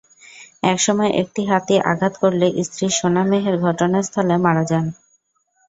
একসময় একটি হাতি আঘাত করলে স্ত্রী সোনা মেহের ঘটনাস্থলে মারা যান।